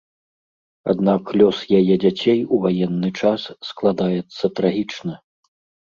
Аднак лёс яе дзяцей у ваенны час складаецца трагічна.